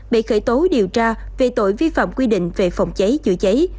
bị khởi tố điều tra về tội vi phạm quy định về phòng cháy chữa cháy